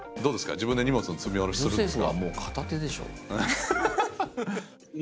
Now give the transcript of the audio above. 自分で荷物の積み降ろしするんですか？